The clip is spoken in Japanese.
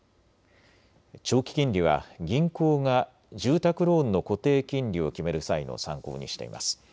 長期金利は銀行が住宅ローンの固定金利を決める際の参考にしています。